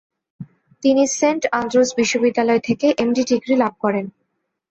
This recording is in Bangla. তিনি সেন্ট আন্দ্রুস বিশ্ববিদ্যালয় থেকে এম.ডি. ডিগ্রি লাভ করেন ।